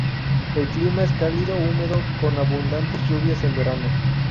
El clima es cálido-húmedo con abundantes lluvias en verano.